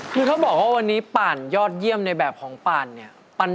คือถ้าบอกว่าวันนี้ป่านยอดเยี่ยมในแบบของป่านเนี่ย